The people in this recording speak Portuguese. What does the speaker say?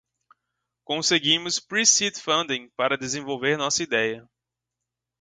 Conseguimos pre-seed funding para desenvolver nossa ideia.